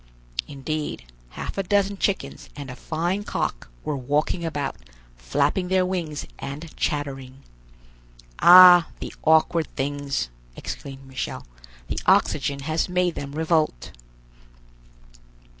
Indeed, half a dozen chickens and a fine cock were walking about, flapping their wings and chattering. "Ah, the awkward things!" exclaimed Michel. "The oxygen has made them revolt."